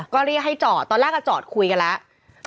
ก็เรียกให้จอดตอนแรกจอดคุยกันแล้ว